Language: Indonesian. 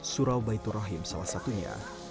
surau baitur rahim salah satunya